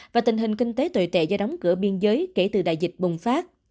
và tình hình kinh tế tồi tệ do đóng cửa biên giới kể từ đại dịch bùng phát